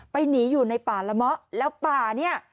หนีอยู่ในป่าละเมาะแล้วป่าเนี่ย